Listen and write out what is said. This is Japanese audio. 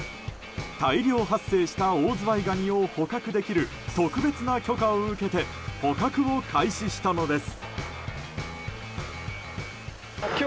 大量発生したオオズワイガニを捕獲できる特別な許可を受けて捕獲を開始したのです。